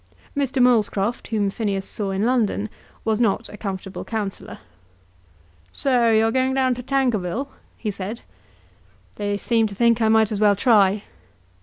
Mr. Molescroft, whom Phineas saw in London, was not a comfortable counsellor. "So you are going down to Tankerville?" he said. "They seem to think I might as well try."